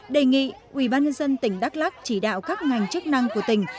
đề nghị ubnd tỉnh đắk lắc chỉ đạo các ngành chức năng của tỉnh